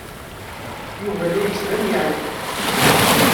Yuba la d-yettban yeɛya.